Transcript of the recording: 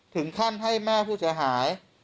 ถึงขั้นให้แม่ผู้เสียหาย